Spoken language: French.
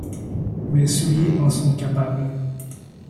Mes souliers en sont capables.